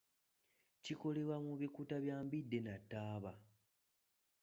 Kikolebwa mu bikuta bya mbidde na taaba.